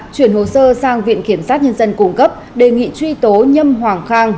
chuyển hồ sơ sang viện kiểm sát nhân dân cung cấp đề nghị truy tố nhâm hoàng khang